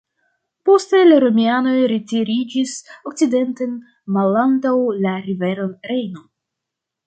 Poste la romianoj retiriĝis okcidenten malantaŭ la riveron Rejno.